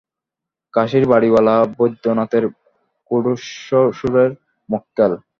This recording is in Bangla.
কাশীর বাড়িওয়ালা বৈদ্যনাথের খুড়শ্বশুরের মক্কেল।